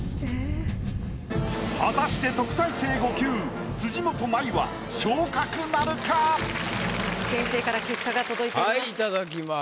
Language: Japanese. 果たして特待生５級辻元舞は先生から結果が届いています。